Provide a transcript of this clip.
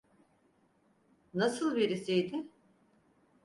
Nasıl birisiydi?